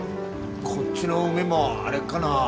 こっちの海も荒れっかな。